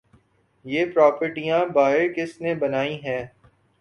یہ پراپرٹیاں باہر کس نے بنائی ہیں؟